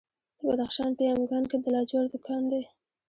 د بدخشان په یمګان کې د لاجوردو کان دی.